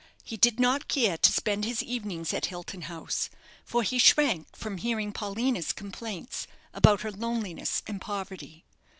He did not care to spend his evenings at Hilton House, for he shrank from hearing Paulina's complaints about her loneliness and poverty.